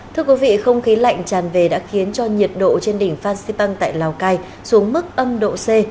thưa quý vị không khí lạnh tràn về đã khiến cho nhiệt độ trên đỉnh phan xipang tại lào cai xuống mức âm độ c